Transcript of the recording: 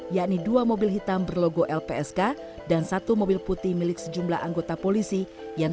yakni dua mobil hitam berlogo lpsk dan satu mobil putih milik sejumlah anggota polisi yang